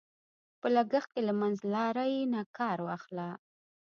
په لګښت کې له منځلارۍ نه کار واخله.